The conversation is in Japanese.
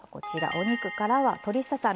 お肉からは鶏ささ身。